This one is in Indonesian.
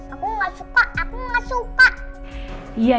aku nggak suka aku gak suka